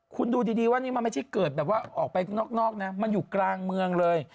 คุณดูดีว่านี่มันไม่ใช่เกิดแบบว่าออกไปข้างนอกนะมันอยู่กลางเมืองเลย